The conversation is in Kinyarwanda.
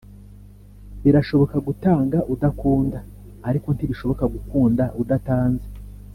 birashoboka gutanga udakunda ariko ntibishoboka gukunda udatanze